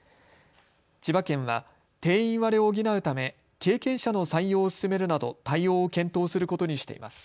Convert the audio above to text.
千葉県は定員割れを補うため経験者の採用を進めるなど対応を検討することにしています。